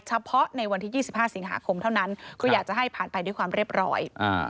เฉพาะในวันที่๒๕สิงหาคมเท่านั้นก็อยากจะให้ผ่านไปด้วยความเรียบร้อย